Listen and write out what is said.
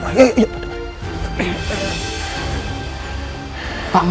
ada hati paling di